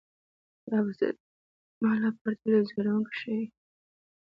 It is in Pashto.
دا به زما لپاره تل یو ځورونکی شی وي